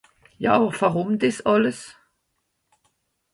Ja àwer wùrùm dìs àlles ?